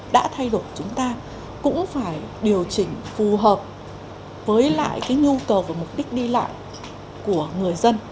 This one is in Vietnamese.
đã thay đổi chúng ta cũng phải điều chỉnh phù hợp với lại cái nhu cầu về mục đích đi lại của người dân